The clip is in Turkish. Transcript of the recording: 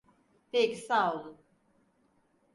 Peki, sağ olun.